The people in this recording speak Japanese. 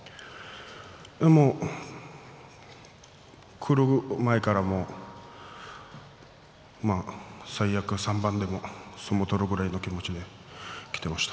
もうくる前から最悪３番でも相撲を取るぐらいの気持ちで、きていました。